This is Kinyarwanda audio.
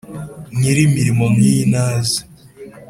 nyiri imirimo nk’iyi naze